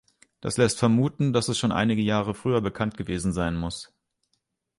Das lässt vermuten, dass es schon einige Jahre früher bekannt gewesen sein muss.